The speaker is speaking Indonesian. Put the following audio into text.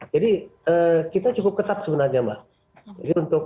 jadi kita cukup ketat sebenarnya mbak